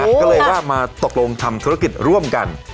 ก็เลยว่ามาตกลงทำธุรกิจร่วมกัน